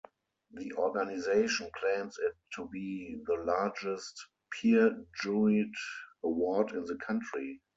The organization claims it to be the largest peer-juried award in the country.